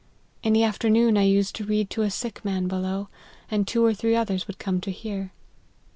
In the afternoon I used to read to a sick man below, and two or three othf rs would come to hear."